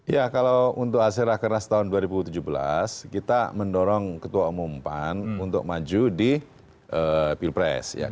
ya kalau untuk hasil rakernas tahun dua ribu tujuh belas kita mendorong ketua umum pan untuk maju di pilpres